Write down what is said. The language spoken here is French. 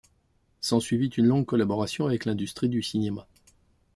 S'ensuivit une longue collaboration avec l'industrie du cinéma.